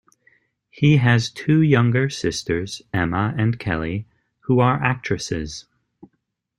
He has two younger sisters, Emma and Kelly, who are actresses.